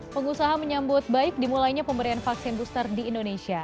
pengusaha menyambut baik dimulainya pemberian vaksin booster di indonesia